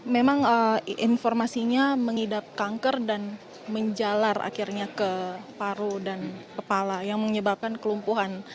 memang informasinya mengidap kanker dan menjalar akhirnya ke paru dan kepala yang menyebabkan kelumpuhan